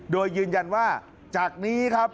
โดยยืนยันว่าจากนี้ครับ